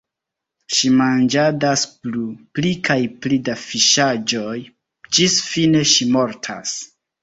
Ŝi manĝadas plu, pli kaj pli da fiŝaĵoj, ĝis fine ŝi – mortas.